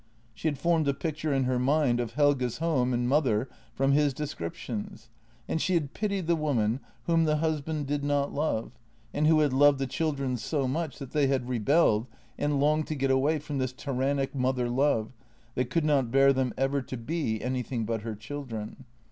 She had formed a picture in her mind of Helge's home and mother from his descriptions, and she had pitied the woman whom the husband did not love and who had loved the chil dren so much that they had rebelled and longed to get away from this tyrannic mother love that could not bear them ever to be anything but her children.